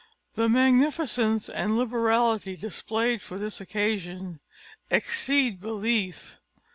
The magnificence and liberality displayed on this occasion exceed belief.